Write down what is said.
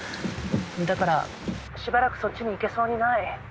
だからしばらくそっちに行けそうにない。